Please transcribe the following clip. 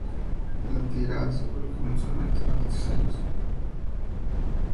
La tira se publicó mensualmente durante tres años.